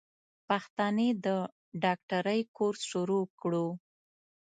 پښتنې د ډاکټرۍ کورس شروع کړو.